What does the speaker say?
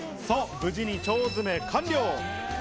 無事に腸詰め完了。